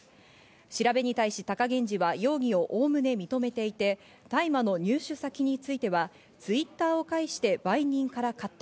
調べに対し、貴源治は容疑をおおむね認めていて、大麻の入手先についてはＴｗｉｔｔｅｒを介して売人から買った。